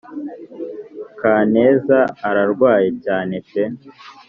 kaneza ararwaye cyane pe